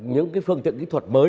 những phương tiện kỹ thuật mới